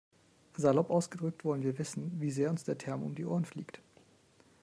Salopp ausgedrückt wollen wir wissen, wie sehr uns der Term um die Ohren fliegt.